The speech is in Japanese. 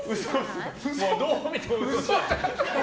どう見ても嘘。